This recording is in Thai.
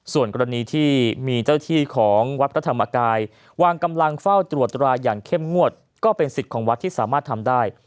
ส่วนกรณีที่มีเจ้าที่ของวัดพระธรรมกายวางกำลังเฝ้าตรวจตราอย่างเข้มงวดก็เป็นสิทธิ์ของวัดที่สามารถทำได้